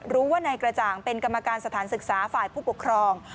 รู้ว่านายกระจ่างเป็นกรรมการสถานศึกษาฝ่ายผู้ปกครอง